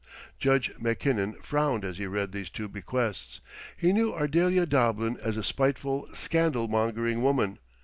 Judge Mackinnon frowned as he read these two bequests. He knew Ardelia Doblin as a spiteful, scandal mongering woman.